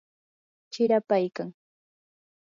chirapaykan.